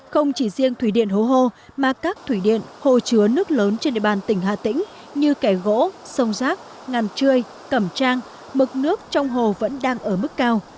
không chỉ riêng thủy điện hố hô mà các thủy điện hồ chứa nước lớn trên địa bàn tỉnh hà tĩnh như kẻ gỗ sông rác ngàn trươi cẩm trang mực nước trong hồ vẫn đang ở mức cao